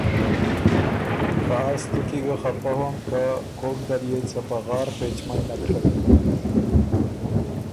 خه از تُو کی ګه خپه هوم که کوک دل يې څۀ پغار پېچمئ نک ڒوِن۔